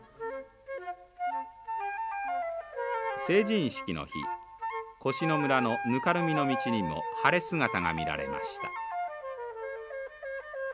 成人式の日越廼村のぬかるみの道にも晴れ姿が見られました。